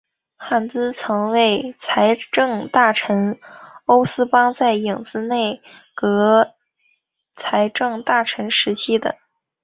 汉兹曾为财政大臣欧思邦在影子内阁财政大臣时期的。